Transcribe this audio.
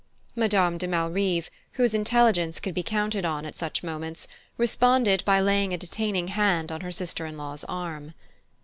Madame de Malrive, whose intelligence could be counted on at such moments, responded by laying a detaining hand on her sister in law's arm.